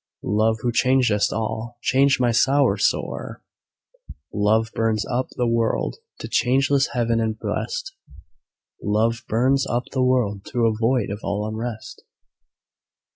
"Love, who changest all, change my sorrow sore!" Love burns up the world to changeless heaven and blest, "Love burns up the world to a void of all unrest."